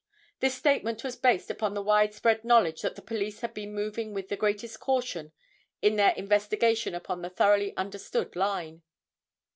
This statement was based upon the wide spread knowledge that the police had been moving with the greatest caution in their investigation upon the thoroughly understood line.